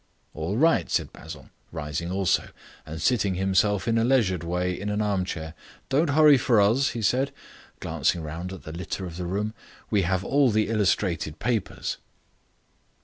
"All right," said Basil, rising also and seating himself in a leisured way in an armchair. "Don't hurry for us," he said, glancing round at the litter of the room, "we have all the illustrated papers."